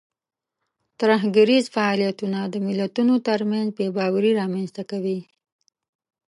ترهګریز فعالیتونه د ملتونو ترمنځ بې باوري رامنځته کوي.